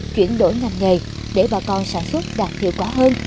chuyển đổi ngành nghề để bà con sản xuất đạt hiệu quả hơn